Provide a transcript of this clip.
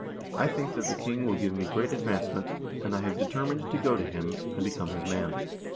I think that the king will give me great advancement, and I have determined to go to him and become his man.